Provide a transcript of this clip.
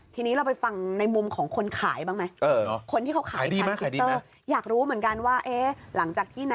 ทีนี้เราไปฟังในมุมของคนขายบ้างไหม